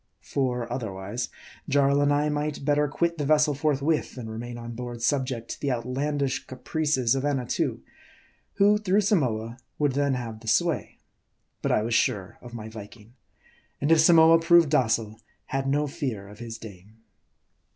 For, otherwise, Jarl and I might better quit the vessel forth with, than remain on board subject to the outlandish caprices of Annatoo, who through Samoa would then have the sway. But I was sure of my Viking ; and if Samoa proved docile, had no fear of his dame.